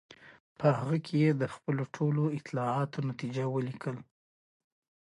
په هغه کې یې د خپلو ټولو اطلاعاتو نتیجه ولیکله.